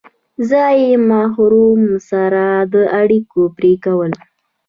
ځایي مخورو سره د اړیکو پرې کول.